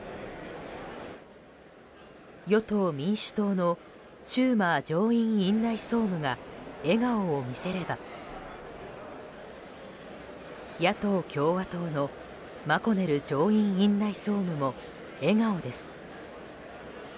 与党・民主党のシューマー上院院内総務が笑顔を見せれば野党・共和党のマコネル上院院内総務も笑顔です。